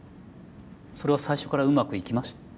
それは最初からうまくいきました？